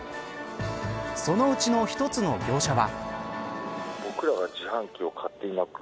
そのうちの一つの業者は。